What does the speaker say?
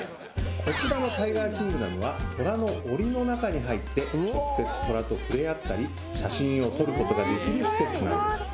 こちらのタイガーキングダムはトラの檻の中に入って直接トラと触れ合ったり写真を撮ることができる施設なんです。